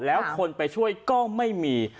แล้วคนไปช่วยก็ไม่มี